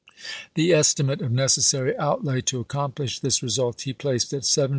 The estimate of necessary outlay to accomplish this result he placed at $70,000.